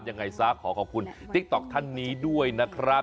ยังไงซะขอขอบคุณติ๊กต๊อกท่านนี้ด้วยนะครับ